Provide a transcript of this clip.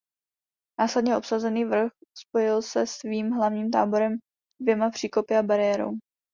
Následně obsazený vrch spojil se svým hlavním táborem dvěma příkopy a bariérou.